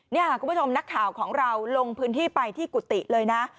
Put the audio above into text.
นี่ค่ะคุณผู้ชมนักข่าวของเราลงพื้นที่ไปที่กุฏิเลยนะ